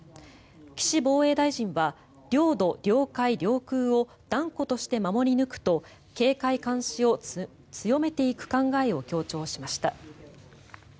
岸防衛大臣は領土・領海・領空を断固として守り抜くと警戒監視を強めていく考えを強調しました。